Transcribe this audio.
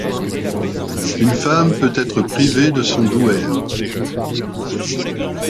Une femme peut être privée de son douaire.